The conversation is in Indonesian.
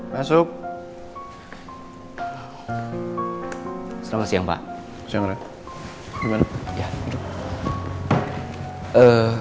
masuk selamat siang pak